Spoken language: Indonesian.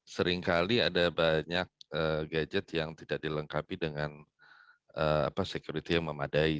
seringkali ada banyak gadget yang tidak dilengkapi dengan security yang memadai